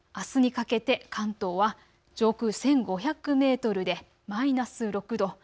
あすにかけて関東は上空１５００メートルでマイナス６度。